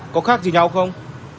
có khác gì nhau không